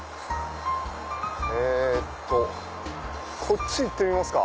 えっとこっち行ってみますか。